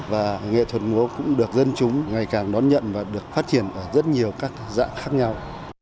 và nghệ thuật múa cũng được dân chúng ngày càng đón nhận và được phát triển ở rất nhiều các dạng khác nhau